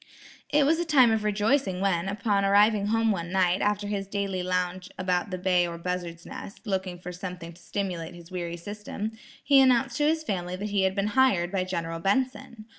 It was a time of rejoicing when, upon arriving home one night, after his daily lounge about the Bay or Buzzard's Nest, looking for something to stimulate his weary system, he announced to his family that he had been "hired" by General Benson.